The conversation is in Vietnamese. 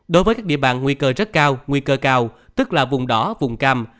đối với các địa bàn nguy cơ rất cao nguy cơ cao tức là vùng đỏ vùng cam